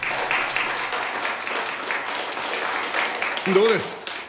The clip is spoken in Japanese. どうです？